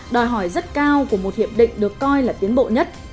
đòi hỏi rất cao của một hiệp định được coi là tiến bộ nhất